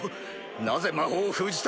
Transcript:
なぜ魔法を封じた！